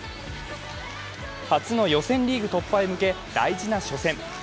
初の予選リーグ突破へ向け、大事な初戦。